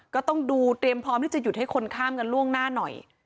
ก็ต้องดูเตรียมพร้อมที่จะหยุดให้คนข้ามกันล่วงหน้าหน่อย